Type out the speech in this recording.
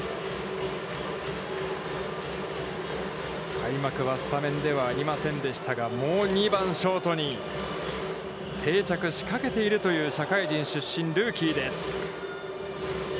開幕はスタメンではありませんでしたが、もう２番ショートに定着しかけているという社会人出身、ルーキーです。